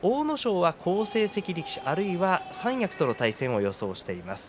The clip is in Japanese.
阿武咲は好成績力士あるいは三役との対戦を予想しています。